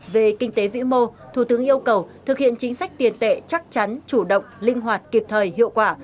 về kinh tế vĩ mô thủ tướng yêu cầu thực hiện chính sách tiền tệ chắc chắn chủ động linh hoạt kịp thời hiệu quả